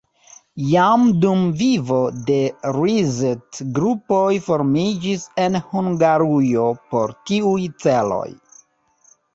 Jam dum vivo de Liszt grupoj formiĝis en Hungarujo por tiuj celoj.